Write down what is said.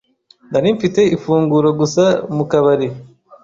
Nari mfite ifunguro gusa mu kabari.